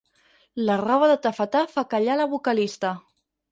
La roba de tafetà fa callar la vocalista.